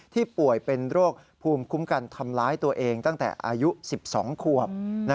ป่วยเป็นโรคภูมิคุ้มกันทำร้ายตัวเองตั้งแต่อายุ๑๒ขวบ